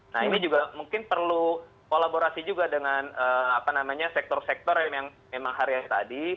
nah ini juga mungkin perlu kolaborasi juga dengan sektor sektor yang memang hari yang tadi